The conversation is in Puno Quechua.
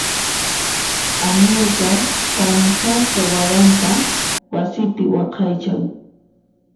Amilcar thantasqa waranta wasipi waqaychan.